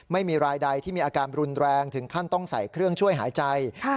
ไม่มีรายใดที่มีอาการรุนแรงถึงขั้นต้องใส่เครื่องช่วยหายใจ